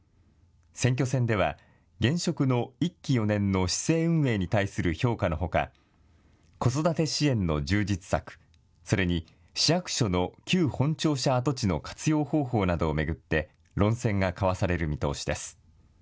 選挙戦では現職の１期４年の市政運営に対する評価のほか子育て支援の充実策、それに市役所の旧本庁舎跡地の活用方法などを巡って論戦が交わされる見通しです。